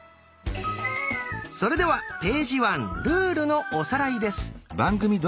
それでは「ページワン」ルールのおさらいです。